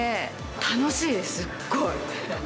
楽しいです、すっごい。